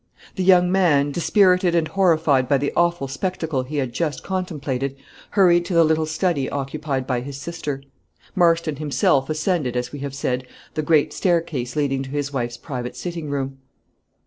The young man, dispirited and horrified by the awful spectacle he had just contemplated, hurried to the little study occupied by his sister. Marston himself ascended, as we have said, the great staircase leading to his wife's private sitting room.